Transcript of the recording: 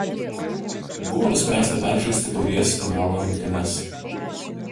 Buvo nuspręsta peržaisti taurės finalo rungtynes.